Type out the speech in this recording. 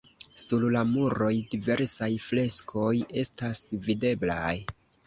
Sur la muroj diversaj freskoj estas videblaj.